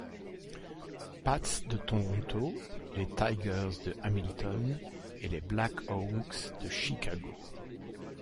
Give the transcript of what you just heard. Pats de Toronto, les Tigers de Hamilton et les Black Hawks de Chicago.